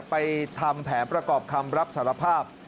ทำแผนประกอบคำรับสารภาพ